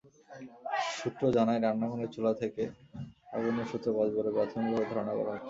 সূত্র জানায়, রান্নাঘরের চুলা থেকে আগুনের সূত্রপাত বলে প্রাথমিকভাবে ধারণা করা হচ্ছে।